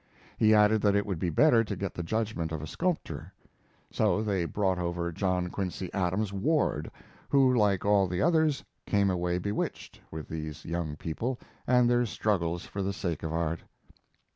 He added that it would be better to get the judgment of a sculptor. So they brought over John Quincy Adams Ward, who, like all the others, came away bewitched with these young people and their struggles for the sake of art.